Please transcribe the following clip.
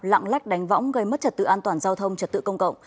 lạng lách đánh võng gây mất trật tự an toàn giao thông trật tự công cộng